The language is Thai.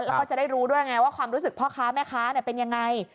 แล้วก็จะได้รู้ด้วยไงว่าความรู้สึกพ่อค้าแม่ค้าเป็นยังไง